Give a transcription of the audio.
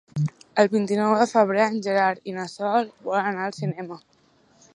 El vint-i-nou de febrer en Gerard i na Sol volen anar al cinema.